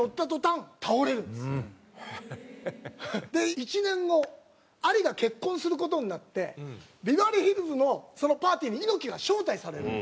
１年後アリが結婚する事になってビバリーヒルズのそのパーティーに猪木が招待されるんです。